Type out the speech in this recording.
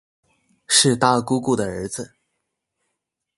是大姑姑的儿子